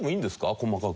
細かく。